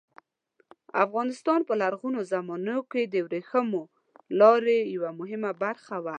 افغانستان په لرغونو زمانو کې د ورېښمو لارې یوه مهمه برخه وه.